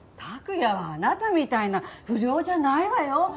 託也はあなたみたいな不良じゃないわよ。